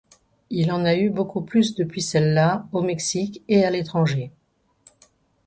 Il en a eu beaucoup plus depuis celle-là, au Mexique et à l'étranger.